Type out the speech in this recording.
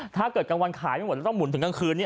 ถ้าเกิดกลางวันขายไม่ออกต้องหมุนถึงกลางคืนนี่